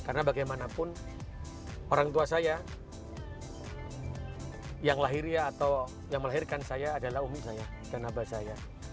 karena bagaimanapun orang tua saya yang melahirkan saya adalah ummi saya dan nabah saya